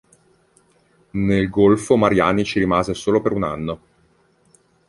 Nel Golfo Mariani ci rimase solo per un anno.